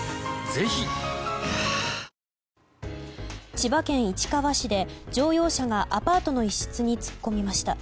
千葉県市川市で、乗用車がアパートの一室に突っ込みました。